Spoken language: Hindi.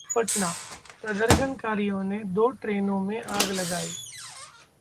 पटना: प्रदर्शनकारियों ने दो ट्रेनों में आग लगाई